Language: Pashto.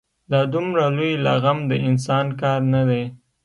دا دومره لوی لغم د انسان کار نه دی.